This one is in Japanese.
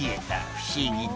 不思議だ」